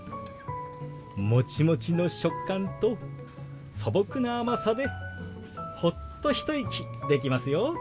モチモチの食感と素朴な甘さでホッと一息できますよ。